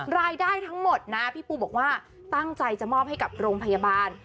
รายได้ทั้งหมดนะพี่ปูบอกว่าตั้งใจจะมอบให้กับโรงพยาบาล